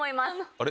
あれ？